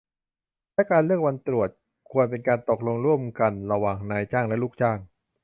และการเลือกวันตรวจ ควรเป็นการตกลงร่วมกัน ระหว่างนายจ้างและลูกจ้าง